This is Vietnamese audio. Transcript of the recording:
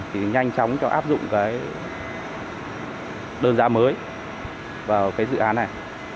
thì nhanh chóng cho áp dụng cái đơn giá mới vào cái dự án này